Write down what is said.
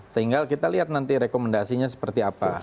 tinggal kita lihat nanti rekomendasinya seperti apa